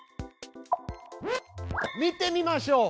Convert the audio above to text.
見てみましょう！